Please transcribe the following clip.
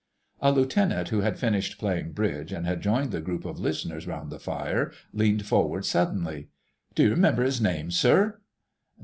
A Lieutenant who had finished playing Bridge and had joined the group of listeners round the fire leaned forward suddenly. "D'you remember his name, sir?"